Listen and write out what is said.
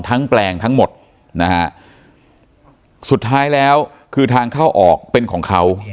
แปลงทั้งหมดนะฮะสุดท้ายแล้วคือทางเข้าออกเป็นของเขา